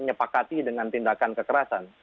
menyepakati dengan tindakan kekerasan